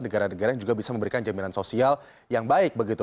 negara negara yang juga bisa memberikan jaminan sosial yang baik begitu